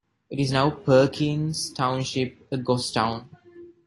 It is now Perkins Township, a ghost town.